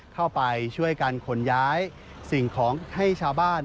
เข้าไปช่วยกันขนย้ายสิ่งของให้ชาวบ้าน